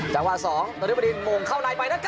จังหว่าทำ๒ตอนนี้บริเวณม่วงเข้าในไปนะครับ